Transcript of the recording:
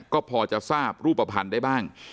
ก็พอจะทราบรูปภัณฑ์ได้บ้าง